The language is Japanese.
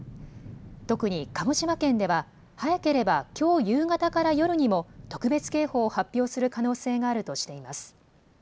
特に鹿児島県では早ければきょう夕方から夜にも特別警報を発表する可能性があるとしています。